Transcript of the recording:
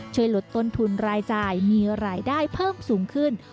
ช่วยลดต้นทุนรายจ่ายมีรายได้เพิ่มสูงขึ้น